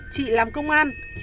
chị làm công an